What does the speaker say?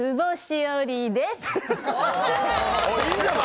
おっ、いいんじゃない？